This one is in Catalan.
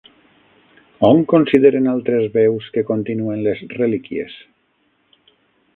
On consideren altres veus que continuen les relíquies?